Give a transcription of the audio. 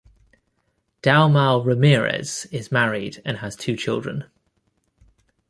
Dalmau Ramirez is married and has two children.